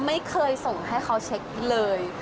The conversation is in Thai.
ไม่เคยส่งให้เขาเช็คเลย